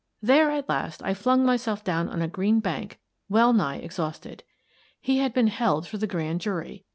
There, at last, I flung myself down on a green bank, well nigh exhausted. He had been held for the grand jury.